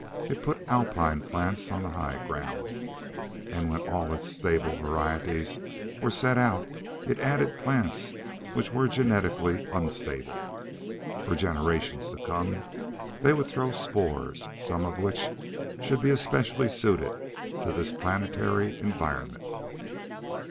It put alpine plants on the high ground. And when all its stable varieties were set out it added plants which were genetically unstable. For generations to come they would throw sports, some of which should be especially suited to this planetary environment.